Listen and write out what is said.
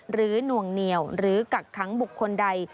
หน่วงเหนียวหรือกักขังบุคคลใด